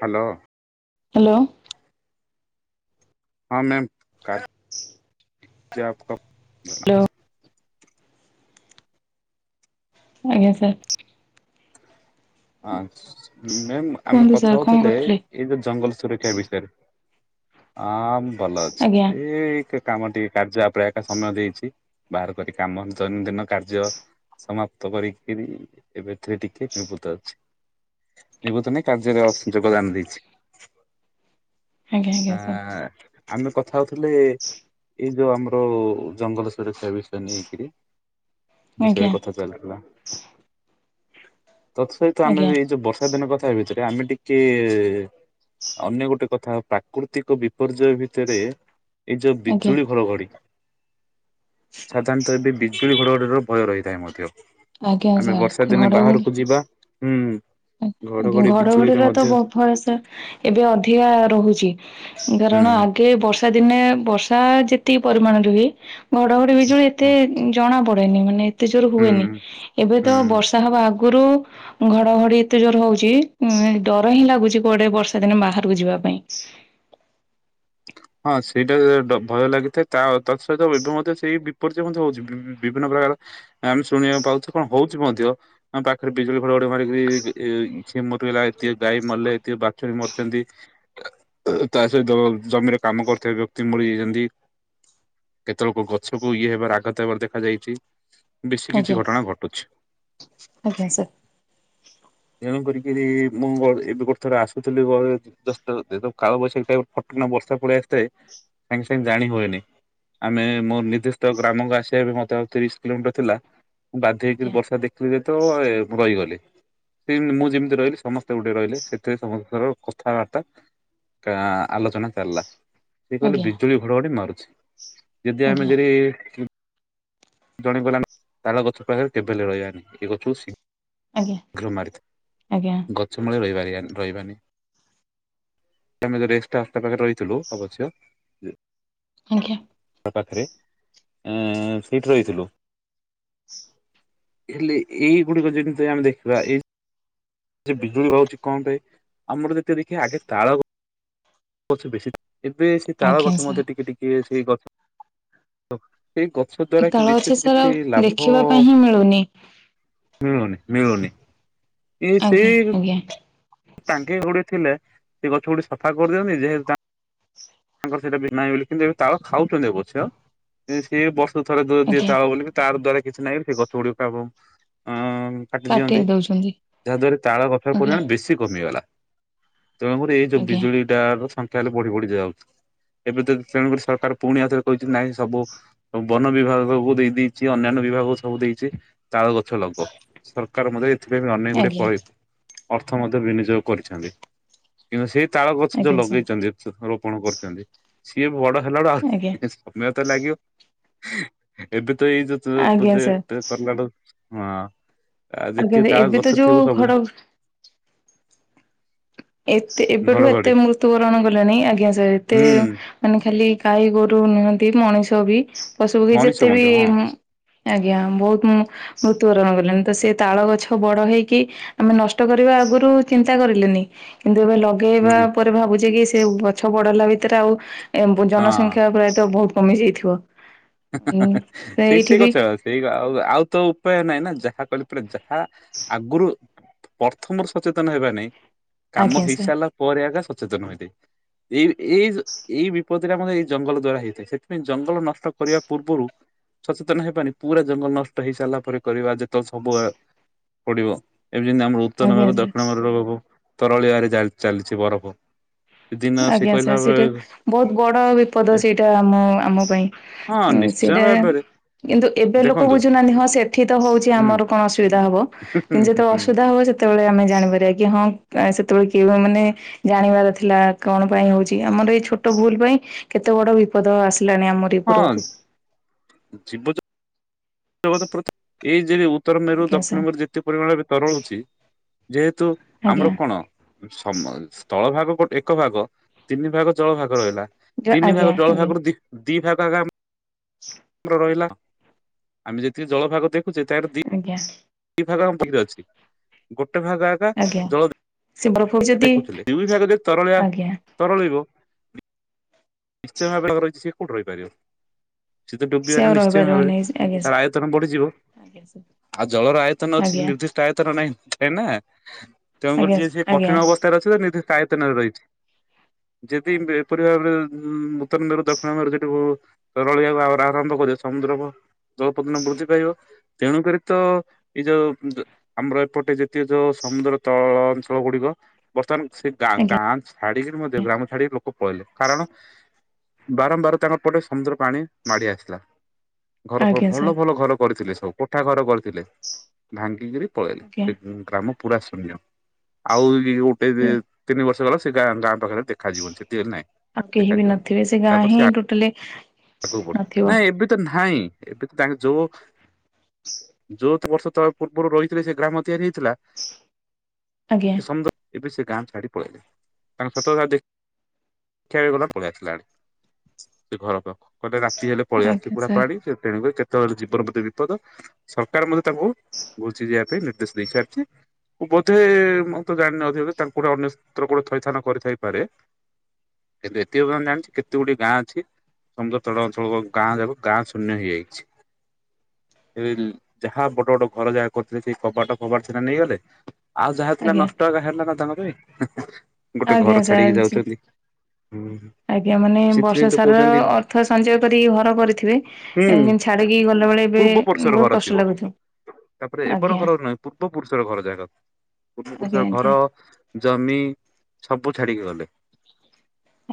Hello. Hello. ହଁ ma'am ହ hello ଆଜ୍ଞା ସାର୍। ହଁ [unintelligible] ମ୍ୟାମ୍ ଆମେ କୁହନ୍ତୁ କଥା ସାର୍ କଣ ହଉଥିଲେ କରୁଥିଲେ? ଏଇ ଯୋ ଜଙ୍ଗଲ ସୁରକ୍ଷା ବିଷୟରେ? ଆ ଭଲ ଆଜ୍ଞା ଅଛି ଏ କାମ ଟିକେ କାର୍ଯ ପ୍ରାୟ କା ସମୟ ଦେଇଛି ବାହାର କରି କାମ ଦୈନନ୍ଦିନ କାର୍ଯ୍ୟ ସମାପ୍ତ କରିକିରି ଏବେଥିରେ ଟିକେ ନୀବୁ ନିର୍ବତନ କାର୍ଯଯ୍ୟୟ ଯୋଗଦାନ ଦେଇଛି। ଆଜ୍ଞା ଆଜ୍ଞା ସାର୍ ହଁଆ ଆମେ କଥା ହଉଥିଲେ ଏଇ ଯୋଉ ଆମର ଜଙ୍ଗଲ ସୁରକ୍ଷା ବିଷୟରେ ନେଇକିରି ବିଷୟରେ ଆଜ୍ଞା କଥା ଚାଲିଥିଲା। ତ ତ ଆମେ ଆଜ୍ଞା ଏଇ ଯୋଉ ବର୍ଷା ଦିନ କଥା ହେବ ଆମେ ଟିକେ ଅନ୍ୟ ଗୋଟେ କଥା ପ୍ରାକୃତିକ ବି ବିପର୍ଯ୍ୟୟ ଭିତରେ ଏଇ ଯୋଉ ଆଜ୍ଞା ବିଜୁଳି ଘଡଘଡି ସାଧାରଣତଃ ଏବେ ବିଜୁଳି ଘଡ ଭୟ ରହିଥାଏ ମଧ୍ୟ ଆଜ୍ଞା ଆମେ ବର୍ଷା ସାର୍ ଦିନେ ଘଡଘଡି ବାହାରକୁ ଯିବା ହୁଁ। ଆଜ୍ଞା ଘଡଘଡି ବିଜୁଳିରେ ଘଡଘଡିରେ ତ ମଧ୍ୟ ବହୁତ ଭୟସା ଏବେ ଅଧିକା ରହୁଛି। ହୁଁ କାରଣ ଆଗେ ବର୍ଷା ଦିନେ ବର୍ଷା ଯେତ ତି ପରିମାଣରେ ହୁଏ। ଘଡଘଡ ବିଜୁଳି ଏତେ ହୁଁ ଜଣ ପଡେନି ମାନେ ଏତେ ଜୋର ହୁଁ ହୁଏନି ଏବେ ହୁଁ ତ ବର୍ଷା ହବା ଆଗ ଗୁରୁ ଘଡ଼ଘଡ଼ି ଏତେ ଜୋର ହଉଛି ଉ ଡର ହିଁ ଲାଗୁଛି କୁଆଡେ ବର୍ଷା ଦିନେ ବାହାରକୁ ଯିବା ପାଇଁ। ହଁ ସେଇଟା ଭୟ ଲାଗିଥାଏ ତା ତତ୍ ସହିତ ବିଭୁ ମଧ୍ୟ ସେଇ ବି ପରିଚୟ ମଧ୍ୟ ହଉଛି ।ବି ବିଭିନ୍ନ ପ୍ରକାର ଆମେ ଶୁଣିବାକୁ ପାଉଛୁ କଣ ହଉଛି ମଧ୍ୟ ଆମ ପାଖରେ ବିଜୁଳି ଘଡଘଡି ମାରିକିି ସିଏ ମରିଗଲା ଏତେ ଗାଈ ମଲେ ବାଛୁରୀ ମରିଛନ୍ତି। [inaudible] ତା ସହିତ ଜମିରେ କାମ କରୁଥିବା ବ୍ୟକ୍ତି ମରି ଯାଇଛନ୍ତି। କେତେ ଲୋକ ଗଛକୁ ଇଏ ହେବାର ଆଘାତ ହେବାର ଦେଖା ଯାଇଛି। ବେଶୀ କିଛି ଆଜ୍ଞା ଘଟଣା ଘଟୁଛି। ଆଜ୍ଞା ସାର୍। ତେଣୁ କରିକି ମୁଁ ଗୋ ଏବେ ଗୋଟେ ଥରେ ଆସୁଥିଲି। ଦଶଟା ରାତିରେ କାଳବୈଶାଖୀ ଟାଇମ ରେ ଫଟକିଣା ବର୍ଷା ପଳେଇ ଆସିଥାଏ ସାଙ୍ଗେ ସାଙ୍ଗେ ଜାଣି ହୁଏନି। ଆମେ ମୋର ମୋ ନିଦ୍ଧିଷ୍ଟ ଗ୍ରାମକୁ ଆସି ବାଧ୍ୟ ହୋକିରି ଆଜ୍ଞା ବର୍ଷା ଦେଖିଲି ତ ଏ ଭଇଗଲି। ସେ ମୁଁ ଯେମିତି ରହିଲି ସମସ୍ତେ ଗୋଟେ ରହିଲେ ସେଥିରେ ସମସ୍ତଙ୍କର କଥାବାର୍ତ୍ତା ଆଲୋଚନା ଚାଲିଲା। ସିଏ କହିଲେ ଆଜ୍ଞା। ବିଜୁଳି ଘଡଘଡି ମାରୁଛି ଯଦି ଆମେ। ଆଜ୍ଞା [unintelligible] ଜଣେ ଗଲାନ ତାଳ ଗଛ ପାଖରେ କେବେଲେ ରହିବାନି ଏ ଗଛରୁୁ ସି ଆଜ୍ଞା ଆଜ୍ଞା ମାରିଥାଏ ଗଛ ମୂଳେ ରହିିବାର ରହିବାନି ଆମେ ଯଦି ଏସଟ୍ରା ଆସ୍ତା ପାଖରେ ରହିଥିଲୁ ଅବଶ୍ୟ ଆଜ୍ଞା। [unintelligible] ଏଇଠି ରହିଥିଲୁ [inaudible] ହେଲେ ଏଇ ଗୁଡିକ ଯେମିତି ହୁଏ ଆମେ ଦେଖିବା ଏଇ ବିଜୁଳି ବାଉଛି କଣ ପାଇଁ ଆମର ଯେତେ ଦେଖେବା ଆଗେ ତାଳ ଗଛ ବେଶୀ ଏବେ ସେ ତାଳ ଆଜ୍ଞା ଗଛ ମଧ୍ୟ ସାର୍ ଟିକେ ଟିକେ ସେଇ ଗ। [inaudible] ସେଇ ଗଛ ଦ୍ଵାରା କି ତଳ ଅଛି ବିଶେଷ ସାର୍ ଆଉ କିଛି ଲାଭ ଦେଖିବା ପାଇଁ ହିଁ ମିଳୁନି [inaudible] ମିଳୁନି ମିଳୁନି ଆଜ୍ଞା ଆଜ୍ଞା। ଟାଙ୍କି ଗୋଡି ଥିଲେ ସେ ଗଛ ଗୁଟେ ସଫା କରିଦିଅନ୍ତି ଯେହେତୁ ତା ତାଙ୍କର ସେଇଟା ବି ନାହିଁ ବୋଲି କିନ୍ତୁ ଏବେ ତାଳ ଖାଉଛନ୍ତି ଅବଶ୍ୟ ସେ ବ ଥରେ ଦୂରେ ଦିଏ ଆଜ୍ଞା ତାଳ ବୋଲିକି ତା ଦ୍ଵାରେ କିଛି ନାହିଁ ଏମତି ଗଛ ଗୁଡିକ। [unintelligible] କାଟି ଦିଅନ୍ତି ଯାହା ଦ୍ଵାରା ତାଳ ଗଛର ଆଜ୍ଞା ପରିମାଣ ବେଶୀ କମିଗଲା। ତେଣୁକରି ଏଇ ଯଉ ଆଜ୍ଞା ବିଜୁଳି ଟା ର ସା ତାହେଲେ ବଢ଼ି ବଢ଼ି ଯାଉ ଏବେ ତ ତେଣୁକରି ସରକାର ପୁଣି ଆଥରେ କହିଛି ନାହିଁ ସବୁ ଉଁ ବନ ବିଭାଗକୁୁ ଦେଇ ଦେଇଛି ଅନ୍ୟାନ୍ୟ ବିଭାଗକୁ ସବୁ ଦେଇଛି। ତାଳ ଗଛ ଲଗ ସରକାର ମଧ୍ୟ ଏଥିପାଇଁ ଅନେକ ଗୁଡିଏ ଆଜ୍ଞା ପଳେଇ ଅର୍ଥ ମଧ୍ୟ ବିନିଯୋଗ କରିଛନ୍ତି କିନ୍ତୁ ସେ ତାଳ ଗଛ ଯୋଉ ଆଜ୍ଞା ସାର୍ ଲଗେଇଛନ୍ତି କରୁଛନ୍ତି ସିଏ ବି ବଡ ହେଲା ବୁ ଆଜ୍ଞା ଆଉ ସମୟ ତ ଲାଗିବ। ଏବେ ଏଇ ଆଜ୍ଞା ସାର୍ ଯେ କର୍ଣଟାକ। [unintelligible] ହଁ। ଆଉ ଯେତିକି ଆଜ୍ଞା ତାଳ ଏବେ ଗଛ ତ ଥିବ ଯୋଉ ସବୁ ଘଡ ଏତେ ଏବେଠୁ ଘଡଘଡି ଏତେ ମୃତ୍ୟୁବରଣ କଲେଣି ଆଜ୍ଞା ସାର୍ ଏତେ ହୁଁ ମାନେ ଖାଲି ଗାଈ, ଗୋରୁ ନୁହନ୍ତି ମଣିଷ ବି ପଶୁ ପକ୍ଷୀ ମଣିଷ ଯେତେ ବି ମଧ୍ୟ ହଁ ଆଜ୍ଞା ବହୁତ ମୁଁ ମୃତ୍ୟୁବରଣ କରି ତ ସେ ତାଳ ଗଛ ବଡ ହେଇକି ଆମେ ନଷ୍ଟ କରିବା ଆଗରୁ ଚିନ୍ତା କରିଲେନି। [inaudible] ଏବେ ଲଗେଇବା ହୁଁ ପରେ ଭାବୁଛେ କି ସେ ଗଛ ବଡ ଲା ଭିତରେ ଆଉ ଏବଂ ଜନସଂଖ୍ୟା ପ୍ରାୟତଃ ବହୁତ କମିଯାଇଥିବ। ଠିକ ସେଠିକ ଅଛ ସେଇ ଆ ଆଉ ତ ଉପାୟ ନାଇଁ ନା ଯାହା କହିଲ ପ୍ରଜା ହା ଆଗରୁ ପ୍ରଥମର ସଚେତନ ହେବା ନାଇଁ। କାମ ଆଜ୍ଞା ହେଇ ସାର୍ ସାରିଲା ପରେ ଆଗା ସଚେତନ ହୁଏନ୍ତି। ଏଇ ଏଇ ଏଇ ବିପତ୍ତି ଟା ମଧ୍ୟ ଏଇ ଜଙ୍ଗଲ ଦ୍ଵାରା ହେଇଥାଏ ସେଥିପାଇଁ ଜଙ୍ଗଲ ନଷ୍ଟ କରିବା ପୂର୍ବରୁ ସଚେତନ ହେବାନି ପୁରା ଜଙ୍ଗଲ ନଷ୍ଟ ହେଇ ସାରିଲା ପରେ କରିବା ଯେତେବେଳେ ସବୁବେ ପଡିବ। ଏବେ ଯେମିତି ଆମର ଉତ୍ତର ଆଜ୍ଞା ମେରୁ ସାର୍ ଦକ୍ଷିଣ ମେରୁର ରବୁ ତରଳିିବାରେ ଚାଲିଛି ବରଫ । ଆଜ୍ଞା ସାର୍ ସେଇଟା ବହୁତ ବଡ ବିପଦ ସେଇଟା ଆମ ଆମ ପାଇଁ ହଁ । ନିଶ୍ଚୟ ସେଇଟା ଭାବରେ କିନ୍ତୁ ଏବେ ଲୋକ ଦେଖନ୍ତୁ ବୁଝୁନାହାନ୍ତି ହଁ ସେଠି ତ ହଉଛି ହୁଁ ଆମର କଣ ଅସୁବିଧା ହବ ହୁଁ କିନ୍ତୁ ହୁଁ ଯେତେବେଳେ ହୁଁ ଅସୁବିଧା ହବ ସେତେବେଳେ ଆମେ ଜାଣିପାରିବା କି ହଁ ସେତେବେଳେ କି ମାନେ ଜାଣିବାର ଥିଲା କଣ ପାଇଁ ହଉଛି ଆମର ଏଇ ଛୋଟ ଭୁଲ ପାଇଁ କେତେ ବଡ ବିପଦ ଆସ ଲାଣି ଆମରି ହଁ ପୁରକୁ । ପୃଥ ଏଇ ଉତ୍ତର ମେରୁ ଆଜ୍ଞା ଦକ୍ଷିଣ ସାର୍ ମେରୁ ଯେତେ ପରିମାଣରେ ବି ତରଳୁଛି । ଯେହେତୁ ଆମର ଆଜ୍ଞା କଣ? ସମାଜ ତଳ ଭାଗ ଗୋଟେ ଏକ ଭାଗ ତିନି ଭାଗ ଜଳ ଭାଗ ରହିଲା, ତିନି ଆଜ୍ଞା ଭାଗ ଜଳ ଆଜ୍ଞା ଭାଗରୁ ଦି ଦି ଭାଗ ଆକା ଆମ [inaudible] ରହିଲା। ଆମେ ଯେତିକି ଜଳଭାଗ ଦେଖୁ ଆଜ୍ଞା। ଦି ଭାଗ ଆମ ବହିରେ ଅଛି ଗୋଟ ଟ ଭାଗ ଆକା ଆଜ୍ଞା ଜଳ ସେ ବରଫ ଯଦି ଦେଖୁଥିଲେ। ଦୁଇ ଭାଗ ଯ ତରଳିଆ ଆଜ୍ଞା ତରଳିବ। ନିଶ୍ଚୟ ଭବରେ ରହିଚି। କଉଠି ରହିପାରିବ? ସେତ ସେ ଡୁବିବାଟା ଆଉ ନିଶ୍ଚୟ ଭାବରେ। ରହିପାରିବନି ଆଜ୍ଞା ତାର ସାର୍, ଆୟତନ ବଢିଯିବ ଆଜ୍ଞା ଆଉ ଜଳର ଆୟତନ ଅଛି କି ଆଜ୍ଞା ନିର୍ଦ୍ଦିଷ୍ଟ ଆୟତନ ନାହିଁ। ଏ ନା। ତେଣୁକରି ଆଜ୍ଞା ଯିଏ ସିଏ ଆଜ୍ଞା କଠିନ ଅବସ୍ଥାରେ ଅଛି ତ ନିଧି କାୟତନରେ ରହିଚି। ଯଦି ଏପରି ଭାବରେ ହୁଁ। ଉତ୍ତରର ଦକ୍ଷିଣ ମେ ଯେଠୁ କୁ ତରଳିଆ ଆ ଆରମ୍ଭ କରି ସମୁଦ୍ର ଭା ଜଳପଦଣ ବୃଦ୍ଧି ପାଇବ, ତେଣୁ କରି ତ ଏଇ ଯୋଉ ଆମର ଏପଟେ ଯେିତୀୟ ଯୋଉ ସମୁଦ୍ର ତଳ ଅଞ୍ଚଳ ଗୁଡିକ ବର୍ତ୍ତମାନ ସେ ଗାଁ ଆଜ୍ଞା ଗାଁ ଛାଡ଼ି କରି ମଧ୍ଯ, ଗ୍ରାମ ଛାଡି କି କୁ ପଇଲ, କାରଣ ବାରମ୍ବାର ତାଙ୍କର ପଟେ ସମୁଦ୍ର ପାଣି ମାଡି ଆସିଲା। ଘର ଆଜ୍ଞା ଭଲ ସାର୍ ଭଲ ଘର କରିଥିଲେ ସବୁ। କୋଠା ଘର କରିଥିଲେ। ଭାଙ୍ଗିକିରି ପଳେଇଲେ ଆଜ୍ଞା ପୁରା ଶୂନ୍ୟ। ଆଉ ଗୋଟେ ତିନି ବର୍ଷ ହେଲା ସେ ଗାଁ ଗାଁ ପାଖରେ ଦେଖାଯିବନ ସେତିବେଲେ ନାଇଁ। ଆଉ କେହି ବି ନଥିବେ ସେ ଗାଁ ହିଁ ଟୋଟାଲି ଆଗକୁ ବଢିବ ନଥିବ। ନାଇଁ ଏବେ ତ ନାହିଁ ଏବେ ତ ତାଙ୍କ ଯୋଉ ଯ ତ ବର୍ଷ ତ ପୂର୍ବରୁ ରହିଥିଲେ ସେ ଗ୍ରାମ ତିଆରି ଥିଲା। ଆଜ୍ଞା ସେ ସମ ଏବେ ସେ ଗାଁ ଛାଡି ପଳେଇଲେ କାରଣ ସତ ଦେଖ [inaudible] ବି ଗଲା ପଳେଇ ଆସିଲାଣି ସେ ଘର ପାଖକୁ କହିଲେ ରାତି ହେଲେ ପଳେଇଆସୁଛି ଆଜ୍ଞା ପୁରା ସାର୍ ପାଣି ସେ ତେଣୁ କ ଯେତେବେଳେ ଜୀବନ ପ୍ରତି ବିପଦ ସରକାର ମଧ୍ୟ ତାକୁ ଘୁଛିି ଯିବା ପାଇଁ [inaudible] ରିଛି ବୋଧେ ମୁ ତ ଜାଣିନଥିବ ଯେ ତାଙ୍କୁ ଗୋଟେ ଅନ୍ୟ ସ୍ତ୍ର ଗୋଟେ ଥଇଥାନ କରିଥାଇପାରେ। କିନ୍ତୁ ଏଥିମେ ଜାଣିଛ କେତେ ଗୋଟଏ ଗାଁ ଅଛି ସମୁଦ୍ର ତଳ ଅଞ୍ଚଳ ଗାଁ ଯାକ ଗାଁ ଶୂନ୍ୟ ହେଇଯାଇଛି ଯାହା ବଡ ବଡ ଘର ଯାହା କରିଥିଲେ ସେଇ କବାଟ ଫବାଟ ସେରା ନେଇଗଲେ ଆଉ ଯାହା ହେଥିଲା ଆଜ୍ଞା ନଷ୍ଟ ହୋ ହେଲା ନା ତାଙ୍କ ପାଇଁ ଗୋଟେ ଆଜ୍ଞା ଘର ଛାଡିକି ସାର୍ ଜି ଯାଉଛନ୍ତି। ହୁଁ ଆଜ୍ଞା ମାନେ ସେଥିପାଇଁ ବର୍ଷା ତ ସାରାର କହୁଛନ୍ତି ଅର୍ଥ ସଞ୍ଚୟ କରିକି ଘର କରିଥିବେ ହୁଁ ଏ ଛାଡିକି ଗଲାବେେଳେ ଏବେ ପୂର୍ବ ପୁରୁଷର ବହୁତ ଘର ଥିବ। କଷ୍ଟ ତାପରେ ଲାଗୁଥିବ ଏବର ଆଜ୍ଞା ଘର ନୁହେଁ ପୂର୍ବ ପୁରୁଷର ଘର ଯାକ ପୂର୍ବ ପୁରୁଷର ଆଜ୍ଞା ଘର ଆଜ୍ଞା। ଜମି ସବୁ ଛାଡିକି ଗଲେ।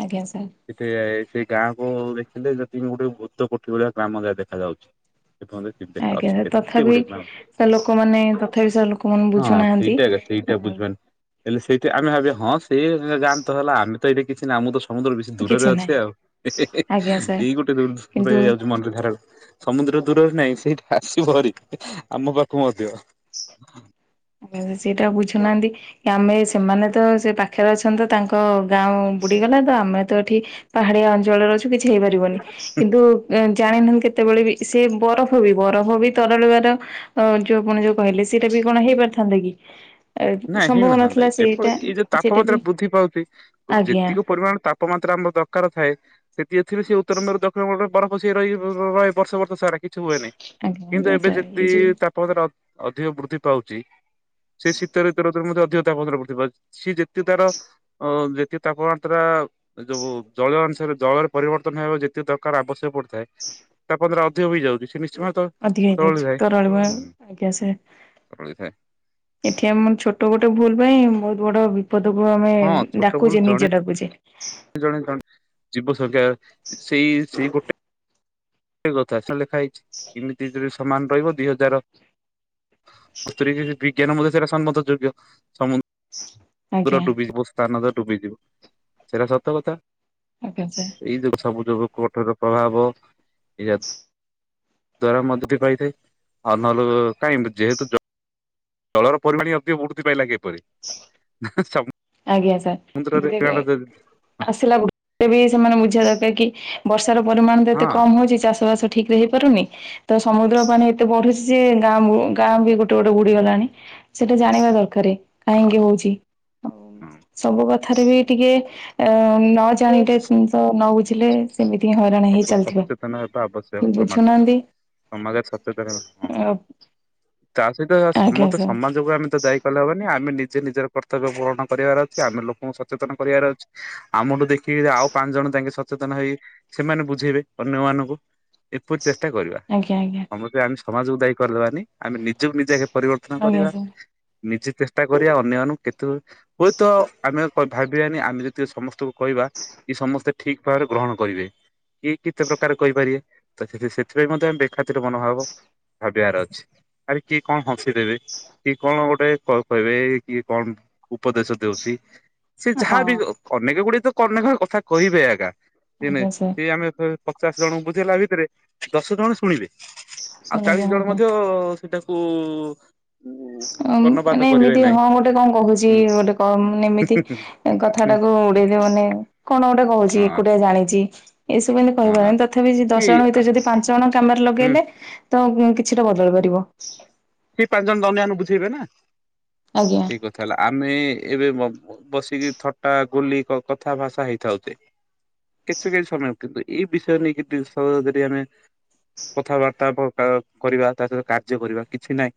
ଆଜ୍ଞା ସାର୍ ସେଠେ ସେ ଗାଁକୁ ଥିଲେ ଯେତିକି ଗୋଟେ ଭୁତ କୋଠି ଭଳିଆ ଗ୍ରାମ ଯାଏ ଦେଖାଯାଉଛି। ଯ୍ୟ ଦେଖା ଅ ଆଜ୍ଞା ସାର୍ କେତେ ତଥାପି ଗୁଏ ସାର୍ ଲୋକମାନେ ତଥାପି ସାର୍ ଲୋକମାନେ ହଁ ବୁଝୁନାହାନ୍ତି ସେଇଟା ସେଇଟା ବୁଝିବନି ହେଲେ ସେଇଟା ଆମେ ଭାବିବା ହଁ ସେ ଯାଆ ତ ହେଲା ଆମେ [inaudible] କିଛି ନା ମୁ ସମୁଦ୍ର ବେଶୀ କିଛି ଦୂରରେ ଅଛି ନାହିଁ ଆଉ ଆଜ୍ଞା ସାର୍ ଏଇ ଗୋଟେ ଦୂରରେଇ କିନ୍ତୁ ଯାଉଛି ମନରେ ଧାର ସମୁଦ୍ର ଦୂରରେ ନାଇଁ ସେଇ ଆସ ଭରି ଆମ ପାଖକୁ ମଧ୍ୟ। ସେଇଟା ବୁଝୁନାହାନ୍ତି କି ଆମେ ସେମାନେ ତ ସେ ପାଖରେ ଅଛନ୍ତି ତ ତାଙ୍କ ଗାଁ ବୁଡିଗଲା ତ ଆମେ ତ ଏଠି ପାହାଡିଆ ଅଞ୍ଚଳରେ ଅ କିଛି ହେଇପାରିବନି କିନ୍ତୁ ଜାଣିନାହାନ୍ତି କେତେବେଳେ ବି ସେ ବରଫ ବି ବରଫ ବି ତରଳିବାର ଅ ଯୋଉ ଆପଣ ଯୋଉ କହିଲେ ସେଇଟା ବି କଣ ହେଇପାର ଛନ୍ତି ନାଇଁ ହେଇ ନଥାନ୍ତାଇ କେବଳ ଏଇ ଯୋଉ ସେଇଟା ବି ତାପମାତ୍ରା ବୃଦ୍ଧି ପାଉଛି ଆଜ୍ଞା ଯେତିକି ପରିମାଣ ତାପମାତ୍ରା ଆମର ଦରକାର ଥାଏ ସେ ଏଥିରେ ସେ ଉତ୍ତର ବରୁ ଦକ୍ଷିଣରେ ବରଫ ସିଏ ରହି ରହ ବର୍ଷ ବର୍ଷ ସାର କିଛି ହୁଏନିଁ ଆଜ୍ଞା କିନ୍ତୁ ଆଜ୍ଞା ଏବେ ସାର୍ ଯଦି ଏଇ ଯୋଉ ତାପମାତ୍ରା। ଅଧିକ ବୃଦ୍ଧି ପାଉଛି। ସେ ଶୀତ। ଦ ମଧ୍ୟ ଅଧିକ ତାପମାତ୍ରା ପଡିିବ ସିଏ ଯେତେ ତାର ଯେତେ ତାପମାତ୍ରା ଯୋ ଜଳୀୟ ଅନୁସାରେ ଜଳରେ ପରିବର୍ତ୍ତନ ହେବ ଯେତେ ଦରକାର ଆବଶ୍ୟକ ପଡିବ। ତାପରେ ଆ ହୋଇଯାଉଛି ସେ ନିଶ୍ଚୟ ଭାବେ ଅଧିକା ହେଇଯାଉଛି ତରଳିଥାଏ ତରଳ ଆଜ୍ଞା ସେ ତରଳିଥାଏ ଏଠି ଆମର ଛୋଟ। ଗୋଟ ଗୋଟେ ଭଲ ପାଇଁ ବହୁତ ବ ପଦକୁ ଆମେ ହଁ ଛୋଟ ବେଳୁ ଡାକୁଛେ ଜଣେ ନିଜ ଡାକୁଛେ। ଜଣେ ଜଣେ ଜୀବ [unintelligible] ସେଇ ସେଇ ଗୋଟ୍ ସେଇ କଥା ସେଣେ ଲେଖା ହେଇଚି ଏମିତି ଯେତେବେଳେ ସମାନ ରହିବ ଦୁଇ ହଜାର [unintelligible] ବିଜ୍ଞାନ ମଧ୍ୟ ସେଟା ସମ୍ମତ ଯୋଗ୍ୟ। ସମ୍ ପୁରା ଆଜ୍ଞା ଡୁବି ଯିବ ସ୍ତାନଗର୍। ଡୁବି ଯିବସେଇଟା ସତ କଥା। ଆଜ୍ଞା ସାର୍। ଏଇ ତ ଅଛି ସବୁ। ସବୁ କୋଠର ପ୍ରଭାବ। ଏଇଆ ଦ୍ଵାରା ମଧ୍ୟ ଟି ପାଇଥାଏ ଆଉ ନ ହେଲେ କାହିଁ ଏମିତି ଯେହେତୁ ତଳର ପରମାଣି [unintelligible] ପାଇଁ ଲାଗେ। ଏହେଁ ସବ୍। ଆଜ୍ଞା ସାର୍। [unintelligible] ଆସିଲା [unintelligible] ଫିର୍ ବି ସେମାନେ ବୁଝିବା ଦରକାର କି? ହ ବର୍ଷାର ପରିମାଣ ତ ଏତେ କମ ହଉଚି। ଚାଷ ବାସ? ଠିକ ରେ ହେଇପାରୁନି ତ ସମୁଦ୍ର ପାଣି ଏତେ ବଢ଼ୁଚି ଯେ ଗାଁ ମୁଁ ଗାଁ ବି ଗୋଟେ ଗୋଟେ ବୁଡି ଗଲାଣି ସେଇଟା ଜାଣିବା ଦରକାରେ। କାହିଁକି ହଉଚି? ଉଁ ସବୁ କଥାରେ ବି ଟିକେ ଅମ୍ ହ ଜାଣେ ଟାଇପ୍ ତିନିଶହ ନଉଚୁ। ଥିଲେ। ସବୁ ସଚେତନ ହେବା ଆବଶ୍ୟକ ସମାଜ। ବୁଝୁନାହାନ୍ତି ସମାଜରେ ସଚେତନ ହେ ହଁ। ତା ସହିତ ଆଜ୍ଞା ସମସ୍ତେ ସାର୍ ସମାଜକୁ ଆମେ ତ ଦାୟୀ କଲେ ହବନି। ଆମେ ନିଜେ ସେ ନିଜର କର୍ତ୍ତବ୍ୟ ପୂରଣ ପରିବାର ଅଛି। ଆମେ ଲୋକଙ୍କ ସହ ସଚେତନ କରିବାର ଅଛି। ଆମଠୁ ଦେଖି କି ଆଉ ପାଞ୍ଚ ଜଣ ତାଙ୍କେ ସଚ୍ ସଚେତନ ହେଇ ସେମାନେ ବୁଝେଇବେ ଅନ୍ୟମାନଙ୍କୁ ଏପରି ଚେଷ୍ଟ କେତେ କରିବା ଆଜ୍ଞା ଆଜ୍ଞା ସମସ୍ତେ ଆନସ୍ ସମାଜକୁ ଦାୟୀ କରିଦେବାନି । ଆମେ ନିଜକୁ ନିଜେ ଆଗେ ପରିବର୍ତ୍ତନ ଆଜ୍ଞା କରିବା। ସାର୍ ନିଜେ ଚେଷ୍ଟା କରିବା ଅନ୍ୟମାନଙ୍କୁ କେତ୍ ତୋ ହୁଏତ ଆମେ ଥରେ ଭାବିଆନି ଆମେ ଯେତିକ ସମସ୍ତଙ୍କୁ କହିବା କି ସମସ୍ତେ ଠିକ୍ ଭାବରେ ଗ୍ରହଣ କରିବେ। କିଏ କେତେ ପ୍ରକାର କହିପାରିବେ? ତ ସେ ସେଥିପାଇଁ ମଧ୍ୟ ଆମ ବେଖାତିର ମନୋଭାବ ଭାବିବାର ଅଛି ଆରେ କିଏ କଣ ହସି ଦେବେ କିଏ କଣ ଗୋଟେ କହିବେ କିଏ କଣ ଉପଦେଶ ଦେଉଛି ସେ ହଁ ଯାହାବି ହଉ ଅନେକ ଗୁଡିଏ ତ ଅନେକ କଥା କହିବେ ଏଇକା ଆଜ୍ଞା [unintelligible] ସାର୍ ସିଏ ଆମେ ପଚାଶ ଜଣଙ୍କୁ ବୁଝେଇଲା ଭିତରେ ଦଶ ଜଣ ଶୁଣିଲେ। ଆଉ ଶୁଣିବି ଚାଳିଶ ଜଣ ଆଜ୍ଞା ମଧ୍ୟ ସେଟାକୁ କର୍ଣ୍ଣପାତ ମାନେ କରିବେ ଏମିତି ନାହିଁ ହଁ ଗୋଟେ କଣ କହୁଛି ହୁଁ ଗୋଟେ କ ମେ ଏମିତି ହଁ କଥାଟାକୁ ଉଡେଇଦ ମାନେ କଣ ଗୋଟେ କହୁଛି ଏକୁଟିଆ ଜାଣିଛି। ଏଇସବୁ ଏମିତି ହଁ କହିପାରନି ତଥାପି କି ଦଶ ଜଣ ଭିତରେ ଯଦି ପାଞ୍ଚ ଜଣ କାମରେ ହୁଁ ଲଗେଇଲେ ତ କିଛିଟା ବଦଳ କରିବ। ସେ ପାଞ୍ଚ ଜଣ ଦନିଆନ ବୁଝେଇବେ ନା। ଆଜ୍ଞା ଏଇ କଥା ହେଲା ଆମେ ଏବେ ବସିକି ଥଟା ଗୁଲି କଥା ଭାଷା ହେଇଥାଉଛେ। କିଛି କିଛି ସମୟ କିନ୍ତୁ ଏଇ ବିଷୟରେ ନେଇକି ଯଦି ଆମେ କଥାବାର୍ତ୍ତା କରିବା ତା ସହିତ କାର୍ଯ୍ୟ କରିବା କିଛି ନାହିଁ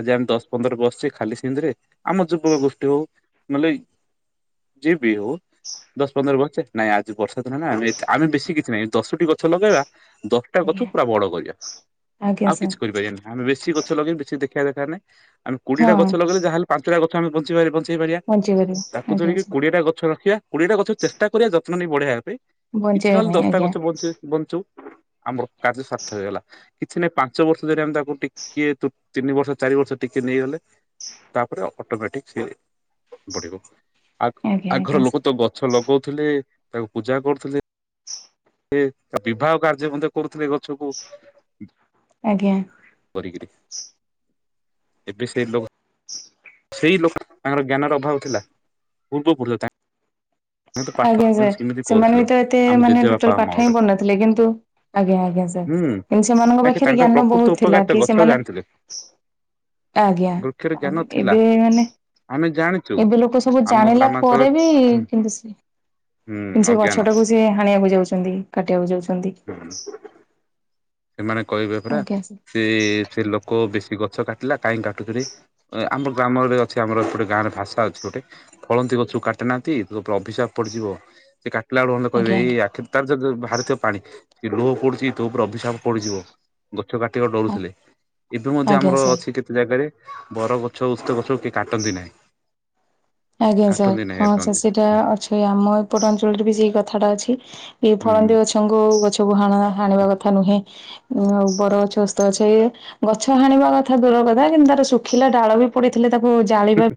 ଆଜି ଆମେ ଦଶ ପନ୍ଦର ବର୍ଷେ ଖାଲି ସେନ୍ତିରେ ଆମ ଯୁବକ ଗୋଷ୍ଠୀ ହଉ ହେଲାକି, ଯିଏ ବି ହଉ ଦଶ ପନ୍ଦର ବର୍ଷେ ନାଇଁ ଆଜି ବର୍ଷା ଦିନ ନା ଆମେ ବେଶୀ କିଛି ନାହିଁ ଦଶଟି ଗଛ ଲଗେଇବା ଦଶଟା ଗଛ ଆଜ୍ଞା ପୁରା ବଡ କରିଆ ଆଜ୍ଞା ।ଆଉ ସାର୍ କିଛି କରିପାରିବାନି ଆମେ ବେଶୀ ଗ କିଛି ଦେଖିବା ଦରକାର ନାହିଁ। ଆମ ହଁ କୋଡିଏଟା ଗଛ ଲଗେଇଲେ ଯାହା ହେଲେ ପାଞ୍ଚଟା ଗଛ କଣ ବଞ୍ଚିପାରେ ବଞ୍ଚି [unintelligible] ବଞ୍ଚେଇ ପାରିବ ତାକୁ ଆଜ୍ଞା ଧରିକି ସାର୍। କୋଡିଏ ଟା ଗଛ ରଖିବା କୋଡିଏଟା ଗଛ ଚେଷ୍ଟା କରିବା ଯ ପୁଣି ବଢିଆ କିଛି ବଞ୍ଚେଇବା ନହଲେ ପାଇଁ ଦଶଟା ଆଜ୍ଞା ଗଛ ବଞ୍ଚେ ବଞ୍ଚୁ। ଆମର କାର୍ଯ୍ୟ ସାର୍ଥକ ହେଇଗଲା। କିଛି ନାଇଁ ପାଞ୍ଚ ବର୍ଷ ଧରି ଆମେ ତାକୁ ଟି କିଏ ତୁ? ତିନି ବର୍ଷ ଚାରି ବର୍ଷ ଟିକେ ନେଇଗଲେ ତାପରେ ଅଟୋମେଟିକ ସେ ବଢିବ । ଆ ଆଜ୍ଞା ଆଗର ଆଜ୍ଞା ଲୋକ ସାର୍ ତ ଗଛ ଲଗଉଥିଲେ । ତାକୁ ପୂଜା କରୁଥିଲେ। ସେ ତା ବିବାହ କାର୍ଯ୍ୟ ମଧ୍ୟ କରୁଥିଲେ ଏବଂ ଗଛକୁ ଆଜ୍ଞା କରିକିରି ଏ ବି ସେ ଲୋ ସେଇ ଲୋକ ତାଙ୍କର ଜ୍ଞାନର ଅଭାବ ଥିଲା ପୂର୍ବ ପୁର ତା ଆଜ୍ଞା ସାର୍ ସେମାନେ କରୁଥିଲେ ବି ତ ଏତେ ଆମ ମାନେ ଜେଜେବାପା ଟୋଟାଲ୍ ପାଠ ଅମଳରେ ହିଁ ପଢୁନଥିଲେ କିନ୍ତୁ ଆଜ୍ଞା ଆଜ୍ଞା ସାର୍ ହୁଁ କିନ୍ତୁ ସେମାନଙ୍କ କାହିଁକି ପାଖରେ ତାଙ୍କର ଜ୍ଞାନ ପ୍ରକୃତ ବହୁତ୍ ଥିଲା ଉପକାରିତା କି ଗଛରେ ସେମାନେ ଜାଣିଥିଲେ ବୃକ୍ଷରେ ଜ୍ଞାନ ଥିଲା ଏବେ ମାନେ ଆମେ ଜାଣିଛୁ ଏବେ ଲୋକ ସବୁ ଆମ ଜାଣିଲା ଗ୍ରାମାଞ୍ଚଳରେ ପରେ ବି ହୁଁ କିନ୍ତୁ ହୁଁ ସେ ଅଜ୍ଞାନ ଗଛ ଟାକୁ ସେ ହାଣିବାକୁ ଯାଉଛନ୍ତି କାଟିବାକୁ ଯାଉଛନ୍ତି ହା ହୁଁ ଛନ୍ତି ସେମାନେ କହିବେ ପରା ସେ ସେ ଲୋକ ବେଶୀ ଗଛ କାଟିଲା କାଇଁ କାଟୁଛୁ ରେ ଆମ ଗ୍ରାମରେ ଅଛି ଆମର ଏ ପଟେ ଗାଁ ରେ ଭାଷା ଅଛି ଗୋଟେ ଫଳନ୍ତି ଗଛକୁ କଟେନାନ୍ତି ଅଭିଶାପ ପଡ଼ିଯିବ। ସେ କା ପିଲା ବେଳୁ ଏ ମାନେ କହିବେ ଆଜ୍ଞା ଏଇ ଆଜ୍ଞା ଆଖିରୁ ତାର ଯୋଉ ବାହାରି ଥିବ ପାଣି ଇଡୋ ପଡୁଚି ତୋ ଉପରେ ଅଭିଶାପ ପଡିଯିବ ଗଛ କାଟିବା ଡରୁଥିଲେ ଏବେ ମଧ୍ୟ ଆଜ୍ଞା ଆମର ସାର୍ ଅଛି କେତେ ଜାଗାରେ ବର ଗଛ ଓସ୍ତ ଗଛ ଉ ସେ କାଟନ୍ତି ନାହିଁ । ଆଜ୍ଞା ସାର୍ ହଁ ସାର୍ ସେଇଟା ଅଛି ଆମ ଏପଟ ଅଞ୍ଚଳରେ ବି ସେଇ କଥାଟା ଅଛି । ଏଇ ହୁଁ ଫଳନ୍ଦୀ ଗଛକୁ ଗଛ ବୁହଣ ହାଣିବା କଥା ନୁହେଁ ଉ ଆଉ ବର ଗଛ ଓସ୍ତ ଗଛ ଏ ଗଛ ହାଣିବା କଥା ଦୁରର କଥା କିନ୍ତୁ ତାର ଶୁଖିଲା ଡାଳ ବି ପଡ଼ିଥିଲେ ତାକୁ ଜାଳିବା ତା